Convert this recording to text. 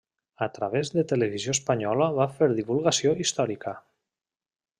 A través de Televisió Espanyola va fer divulgació històrica.